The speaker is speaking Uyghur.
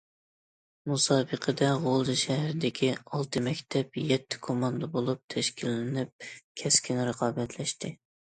مۇسابىقىدە، غۇلجا شەھىرىدىكى ئالتە مەكتەپ يەتتە كوماندا بولۇپ تەشكىللىنىپ، كەسكىن رىقابەتلەشتى.